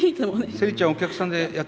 セリちゃんお客さんでやって来るの？